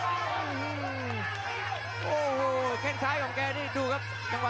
โอ้โหแค่งซ้ายของแกได้ดูครับ